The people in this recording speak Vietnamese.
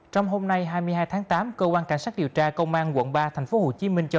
trong hôm nay hai mươi hai tháng tám cơ quan cảnh sát điều tra công an quận ba thành phố hồ chí minh cho